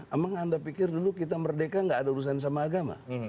emang anda pikir dulu kita merdeka gak ada urusan sama agama